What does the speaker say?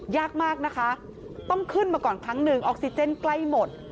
ยากมากนะคะต้องขึ้นมาก่อนครั้งหนึ่งออกซิเจนใกล้หมด